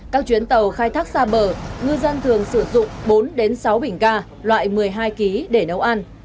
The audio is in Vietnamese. các chuyến tàu khai thác xa bờ ngư dân thường sử dụng bốn sáu bình ga loại một mươi hai kg để nấu ăn